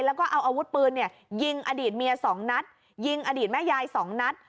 แล้วก็เอาอาวุธปืนเนี่ยยิงอดีตเมียสองนัดยิงอดีตแม่ยาย๒นัด